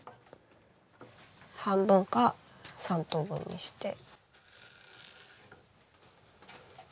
半分か３等分にして。